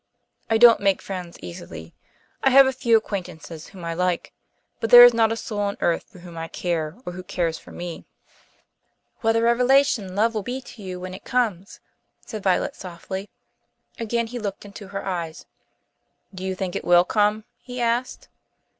I don't make friends easily. I have a few acquaintances whom I like, but there is not a soul on earth for whom I care, or who cares for me." "What a revelation love will be to you when it comes," said Violet softly. Again he looked into her eyes. "Do you think it will come?" he asked.